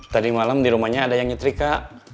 tadi malam di rumahnya ada yang nyetrika